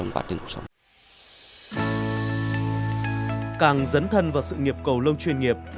càng dấn thân vào sự nghiệp cầu lông chuyên nghiệp